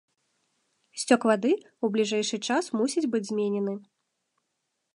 Сцёк вады ў бліжэйшы час мусіць быць зменены.